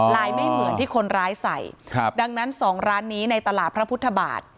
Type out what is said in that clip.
ไม่เหมือนที่คนร้ายใส่ครับดังนั้นสองร้านนี้ในตลาดพระพุทธบาท